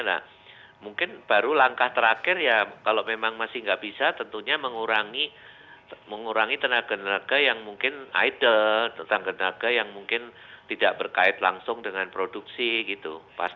nah mungkin baru langkah terakhir ya kalau memang masih nggak bisa tentunya mengurangi tenaga tenaga yang mungkin idle tenaga tenaga yang mungkin tidak berkait langsung dengan produksi gitu